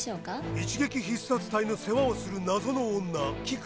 一撃必殺隊の世話をする謎の女キク。